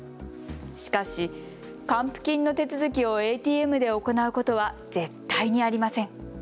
しかし還付金の手続きをＡＴＭで行うことは絶対にありません。